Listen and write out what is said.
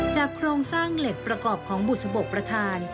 โครงสร้างเหล็กประกอบของบุษบกประธาน